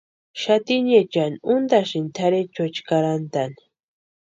Xatiniechani untasïni tʼarhechuecha karhantani.